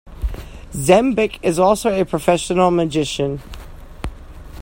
Zembic is also a professional magician.